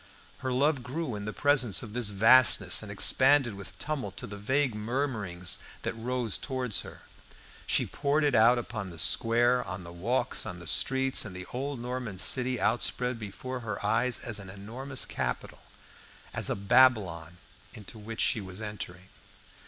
Her love grew in the presence of this vastness, and expanded with tumult to the vague murmurings that rose towards her. She poured it out upon the square, on the walks, on the streets, and the old Norman city outspread before her eyes as an enormous capital, as a Babylon into which she was entering.